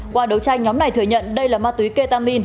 qua đấu tranh nhóm này thừa nhận đây là ma túy ketamin